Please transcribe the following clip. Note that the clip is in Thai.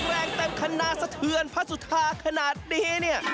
แรงเต็มคณะสะเทือนพระสุธาขนาดนี้เนี่ย